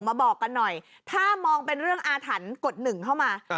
บอกกันหน่อยถ้ามองเป็นเรื่องอาถรรพ์กดหนึ่งเข้ามา